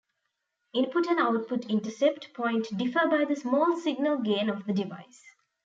Input and output intercept point differ by the small-signal gain of the device.